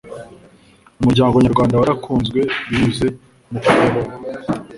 umuryango nyarwanda warakunzwe binyuze mu kwibohora